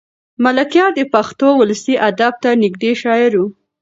ملکیار د پښتو ولسي ادب ته نږدې شاعر و.